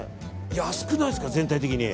安くないですか、全体的に。